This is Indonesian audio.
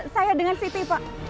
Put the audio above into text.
saya dengan siti pak